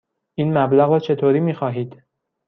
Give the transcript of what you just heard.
این مبلغ را چطوری می خواهید؟